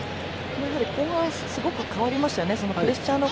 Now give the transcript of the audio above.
後半すごく変わりましたよね。